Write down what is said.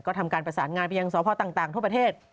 ก็ทำการประสานงานไปยังสพต่างทั่วประเทศ